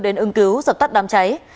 đến ứng cứu dập tắt đám cháy